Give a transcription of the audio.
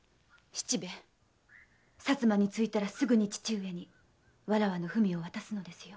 七兵衛薩摩に着いたら父上にわらわの文を渡すのですよ。